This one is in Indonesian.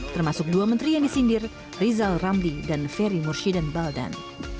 termasuk dua menteri yang disindir rizal ramli dan ferry murshidan baldan